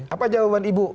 apa jawaban ibu